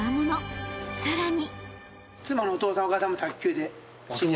［さらに］